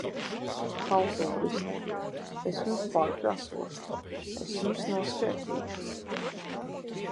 -Haltūristi! Es jums pārkrāsošu. Es jums noskaitīšu!